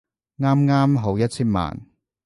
啱啱好一千萬